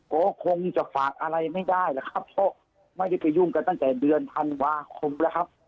ก็คงจะฝากอะไรไม่ได้แล้วครับเพราะไม่ได้ไปยุ่งกันตั้งแต่เดือนธันวาคมแล้วครับ